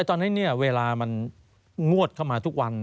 ตอนนี้เนี่ยเวลามันงวดเข้ามาทุกวัน